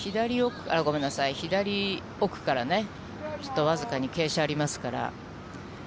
左奥からね、きっと僅かに傾斜ありますから。